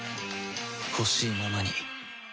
ほしいままに